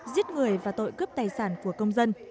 giết người và tội cướp tài sản của công dân